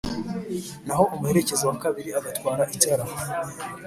naho umuherekeza wa kabiri agatwara itara